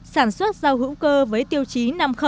sản xuất rau hữu cơ với tiêu chí năm